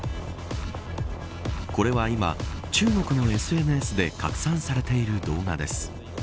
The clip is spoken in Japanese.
これは今、中国のＳＮＳで拡散されている動画です。